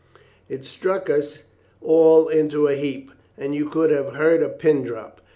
"It struck us all into a heap, and you could have heard a pin drop.